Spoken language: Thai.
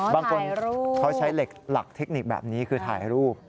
บางคนเขาใช้เหล็กหลักเทคนิคแบบนี้คือถ่ายรูป